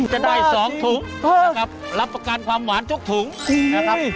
จะได้๒ถุงนะครับรับประกันความหวานทุกถุงนะครับ